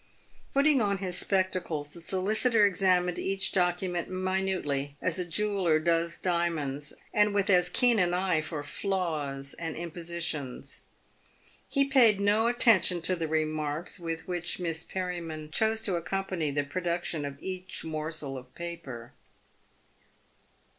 Putting on his spectacles, the solicitor examined each document minutely, as a jeweller does diamonds, and with as keen an eye for flaws and impositions. He paid PAYED WITH GOLD. 245 no attention to the remarks with which Miss Perriman chose to ac company the production of each morsel of paper.